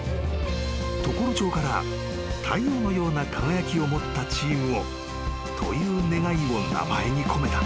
［常呂町から太陽のような輝きを持ったチームをという願いを名前に込めた］